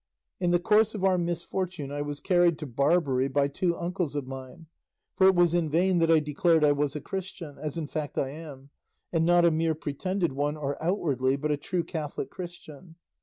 In the course of our misfortune I was carried to Barbary by two uncles of mine, for it was in vain that I declared I was a Christian, as in fact I am, and not a mere pretended one, or outwardly, but a true Catholic Christian.